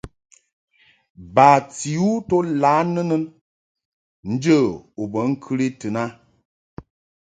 Bati u to lǎ nɨnɨn njə u be ŋkɨli tɨn a.